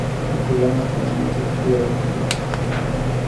Los programas tienen muchas propiedades matemáticas.